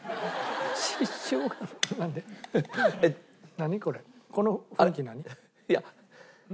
何？